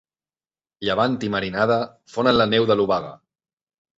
Llevant i marinada fonen la neu de l'obaga.